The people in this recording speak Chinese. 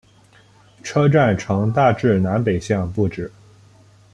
车站呈大致南北向布置。